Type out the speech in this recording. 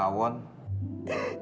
kayak sarang ketahuan ya